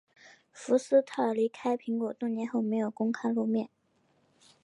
福斯特尔离开苹果多年后没有公开露面。